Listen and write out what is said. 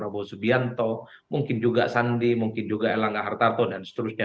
prabowo subianto mungkin juga sandi mungkin juga elangga hartarto dan seterusnya